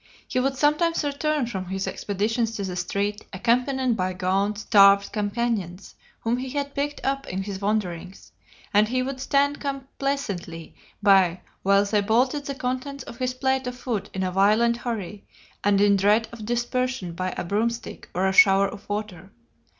He would sometimes return from his expeditions to the street, accompanied by gaunt, starved companions, whom he had picked up in his wanderings, and he would stand complacently by while they bolted the contents of his plate of food in a violent hurry and in dread of dispersion by a broomstick or a shower of water.